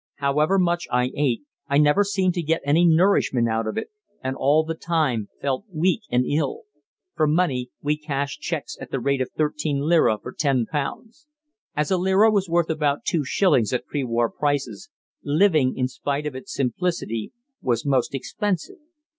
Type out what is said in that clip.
However much I ate I never seemed to get any nourishment out of it, and all the time felt weak and ill. For money we cashed cheques at the rate of 13 lira for £10. As a lira was worth about two shillings at pre war prices, living, in spite of its simplicity, was most expensive.